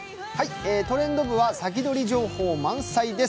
「トレンド部」は先取り情報満載です。